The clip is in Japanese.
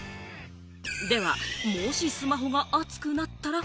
では、もしスマホが熱くなったら？